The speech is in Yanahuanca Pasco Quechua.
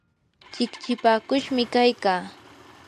chikchipakushmi kaykaa.